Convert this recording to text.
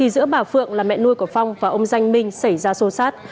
giữa bà phượng là mẹ nuôi của phong và ông danh minh xảy ra xô xát